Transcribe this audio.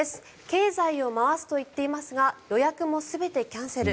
経済を回すと言っていますが予約も全てキャンセル。